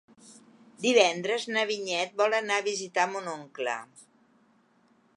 Divendres na Vinyet vol anar a visitar mon oncle.